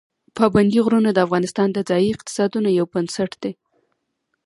پابندي غرونه د افغانستان د ځایي اقتصادونو یو بنسټ دی.